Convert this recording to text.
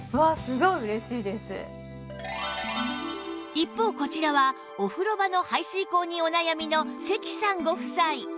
一方こちらはお風呂場の排水口にお悩みの関さんご夫妻